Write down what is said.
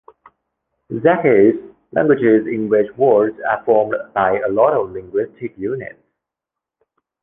That is, languages in which words are formed by a lot of linguistic units.